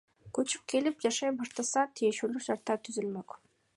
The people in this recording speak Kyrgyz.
Көчүп келип, жашай башташса, тиешелүү шарттар түзүлмөк.